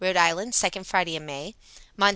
I., second Friday in May; Mont.